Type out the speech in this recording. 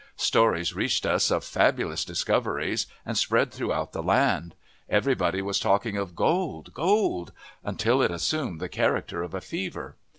Stories reached us of fabulous discoveries, and spread throughout the land. Everybody was talking of "Gold! gold!" until it assumed the character of a fever.